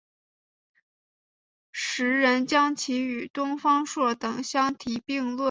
时人将其与东方朔等相提并比。